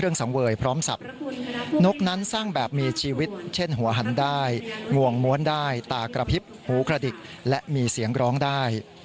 สังเวยพร้อมสับนกนั้นสร้างแบบมีชีวิตเช่นหัวหันได้งวงม้วนได้ตากระพริบหูกระดิกและมีเสียงร้องได้